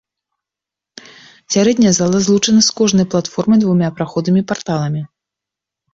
Сярэдняя зала злучана з кожнай платформай двума праходамі-парталамі.